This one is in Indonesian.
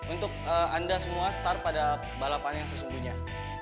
untuk anda semua start pada balapan yang sesungguhnya